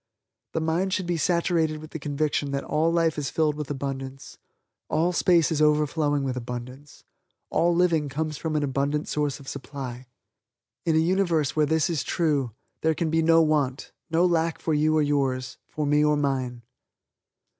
The mind should be saturated with the conviction that all life is filled with abundance all space is overflowing with abundance all living comes from an abundant source of supply. In a Universe where this is true, there can be no want, no lack for you or yours (for me or mine).